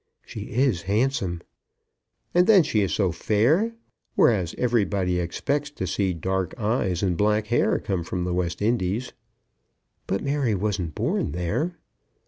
"She is handsome." "And then she is so fair, whereas everybody expects to see dark eyes and black hair come from the West Indies." "But Mary wasn't born there."